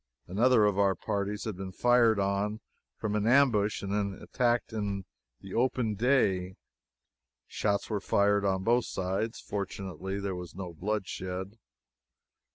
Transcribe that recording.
Another of our parties had been fired on from an ambush and then attacked in the open day. Shots were fired on both sides. Fortunately there was no bloodshed.